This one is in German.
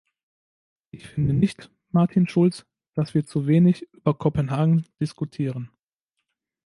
Ich finde nicht, Martin Schulz, dass wir zu wenig über Kopenhagen diskutieren.